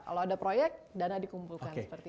kalau ada proyek dana dikumpulkan seperti itu